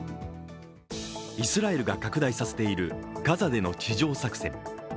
イスラエルが拡大させているガザでの地上作戦